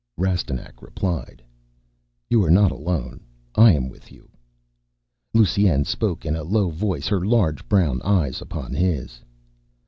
Rastignac replied, "You are not alone. I am with you." Lusine spoke in a low voice, her large brown eyes upon his.